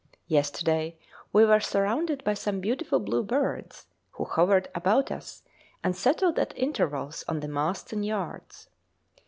Yesterday we were surrounded by some beautiful blue birds, who hovered about us and settled at intervals on the masts and yards.